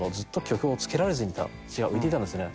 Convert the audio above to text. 詞が浮いていたんですね。